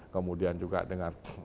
kemudian juga dengan